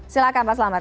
silahkan pak selamat